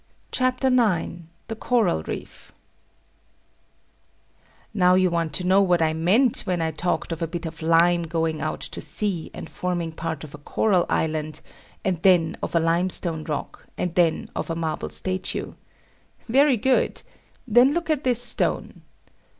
CHAPTER IX THE CORAL REEF Now you want to know what I meant when I talked of a bit of lime going out to sea, and forming part of a coral island, and then of a limestone rock, and then of a marble statue. Very good. Then look at this stone.